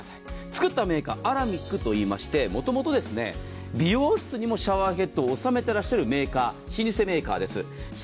作ったメーカー、アラミックといいまして、もともと美容室にシャワーヘッドを納めている老舗メーカーです。